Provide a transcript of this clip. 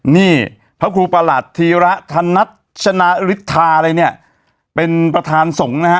นี่พระครูประหลัดธีระธนัทชนะฤทธาอะไรเนี่ยเป็นประธานสงฆ์นะฮะ